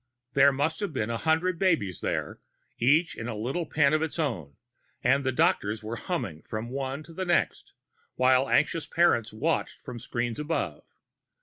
There must have been a hundred babies there, each in a little pen of its own, and the doctors were humming from one to the next, while anxious parents watched from screens above.